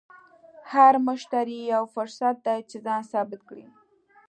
هر مشتری یو فرصت دی چې ځان ثابت کړې.